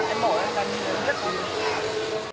em bỏ ra em biết